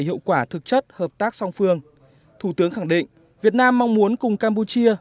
hiệu quả thực chất hợp tác song phương thủ tướng khẳng định việt nam mong muốn cùng campuchia